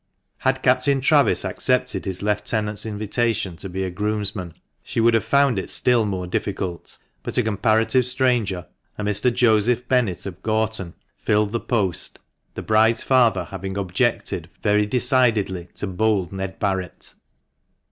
Had Captain Travis accepted his lieutenant's invitation to be groomsman, she would have found it still more difficult ; but a comparative stranger, a Mr. Joseph Bennett, of Gorton, filled the post, the bride's father having objected very decidedly to bold Ned Barret.